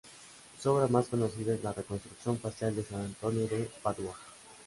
Su obra más conocida es la reconstrucción facial de san Antonio de Padua.